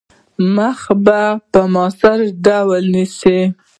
مخه به په موثِر ډول نیسي.